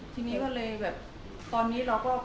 ทีนี้ก็เลยแบบตอนนี้เราก็